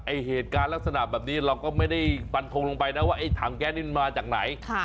เหตุการณ์ลักษณะแบบนี้เราก็ไม่ได้ฟันทงลงไปนะว่าไอ้ถังแก๊สนี่มันมาจากไหน